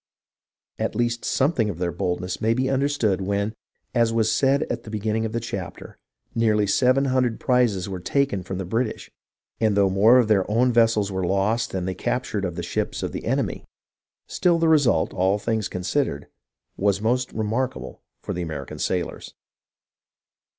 At least something of their boldness may be understood when, as was said at the beginning of this chapter, nearly seven hundred prizes were taken from the British; and though more of their own vessels were lost than they captured of the ships of the enemy, still the result, all things considered, was most remarkable for the American sailors.